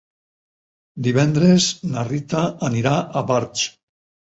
Divendres na Rita anirà a Barx.